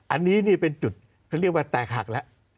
อันนี้นี่เป็นจุดเขาเรียกว่าแตกหักแล้ว